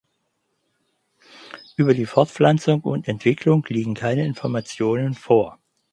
Über die Fortpflanzung und Entwicklung liegen keine Informationen vor.